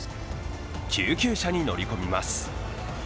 救急車に乗り込みます。